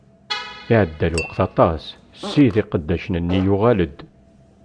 Iɛedda lweqt aṭas, ssid n iqeddacen-nni yuɣal-d.